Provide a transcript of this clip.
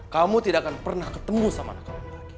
kamu tidak akan pernah ketemu sama anak kamu lagi